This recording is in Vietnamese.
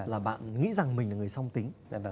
là bạn nghĩ rằng mình là người song tính